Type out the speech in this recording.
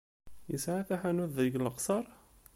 Yesɛa taḥanut deg Leqṣeṛ?